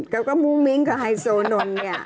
เขาก็มุ้งมิ้งกับไฮโซนนท์เนี่ย